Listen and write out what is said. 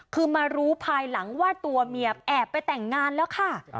คือมารู้ภายหลังว่าตัวเมียแอบไปแต่งงานแล้วค่ะ